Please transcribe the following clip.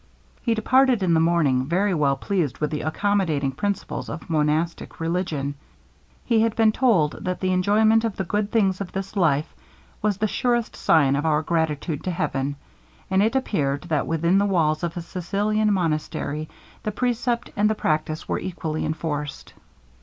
He departed in the morning, very well pleased with the accommodating principles of monastic religion. He had been told that the enjoyment of the good things of this life was the surest sign of our gratitude to Heaven; and it appeared, that within the walls of a Sicilian monastery, the precept and the practice were equally enforced.